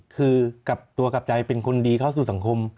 คือกลับตัวกลับใจเป็นคนดีเข้าสู่สังคม